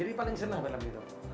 jadi paling seneng film gitu